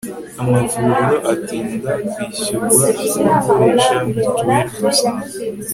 amavuriro atinda kwishyurwa ku bakoresha mutuelle de santé